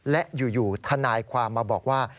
และอยู่ทนายความมาบอกว่า